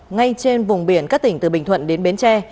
ngay trên vùng biển các tỉnh từ bình thuận đến bến tre